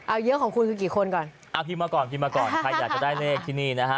เอาเยอะของคุณคือกี่คนก่อนพิมพ์มาก่อนใครอยากจะได้เลขที่นี่นะฮะ